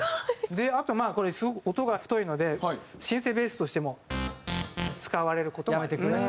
あとはまあこれすごく音が太いのでシンセベースとしても使われる事もあります。